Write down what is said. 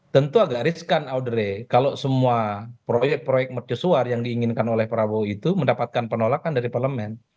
tentu agak riskan oderay kalau semua proyek proyek mercusuar yang diinginkan oleh prabowo itu mendapatkan penolakan dari parlemen